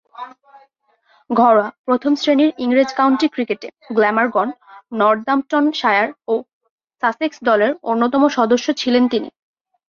ঘরোয়া প্রথম-শ্রেণীর ইংরেজ কাউন্টি ক্রিকেটে গ্ল্যামারগন, নর্দাম্পটনশায়ার ও সাসেক্স দলের অন্যতম সদস্য ছিলেন তিনি।